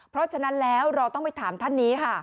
เพราะฉะนั้นแล้วเราต้องไปถามท่านนี้ค่ะ